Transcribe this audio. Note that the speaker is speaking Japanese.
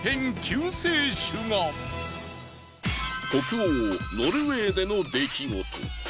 北欧ノルウェーでの出来事。